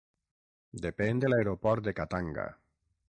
Depèn de l'aeroport de Khatanga.